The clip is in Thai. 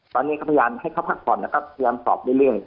ตอนนี้พยายามให้ค่าพักผ่อนเขียนสอบเรื่อง